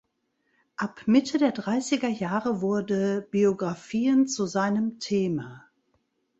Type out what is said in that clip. Ab Mitte der dreißiger Jahre wurde Biografien zu seinem Thema.